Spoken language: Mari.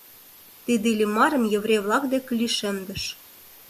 Тиде Иллимарым еврей-влак деке лишемдыш.